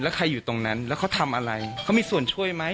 แล้วใครอยู่ตรงนั้นแล้วเขาทำอะไรเขามีส่วนช่วยไหม